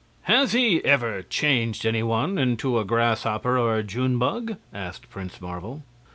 "Has he ever changed any one into a grasshopper or a June bug?" asked Prince Marvel.